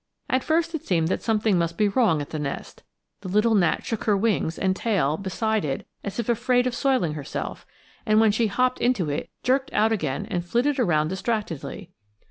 At first it seemed that something must be wrong at the nest; the little gnat shook her wings and tail beside it as if afraid of soiling herself; and when she hopped into it, jerked out again and flitted around distractedly.